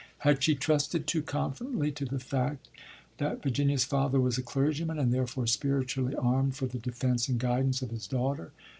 Had she trusted too confidently to the fact that Virginia's father was a clergyman, and therefore spiritually armed for the defence and guidance of his daughter?